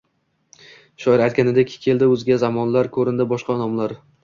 Shoir aytganidek, “keldi o‘zga zamonlar, ko‘rindi boshqa nomlar”